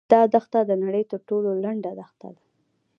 دا دښته د نړۍ تر ټولو لنډه دښته ده.